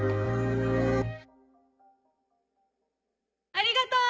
ありがとう！